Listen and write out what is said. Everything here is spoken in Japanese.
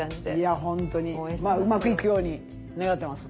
うまくいくように願ってます。